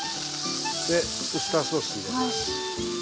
でウスターソース入れます。